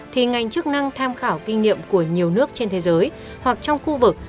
thì ngành chức năng tham khảo kinh nghiệm của nhiều nước trên thế giới hoặc trong khu vực